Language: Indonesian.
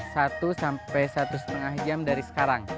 satu sampai satu lima jam dari sekarang